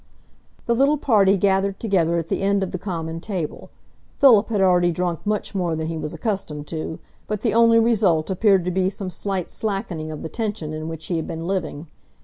The little party gathered together at the end of the common table. Philip had already drunk much more than he was accustomed to, but the only result appeared to be some slight slackening of the tension in which he had been living.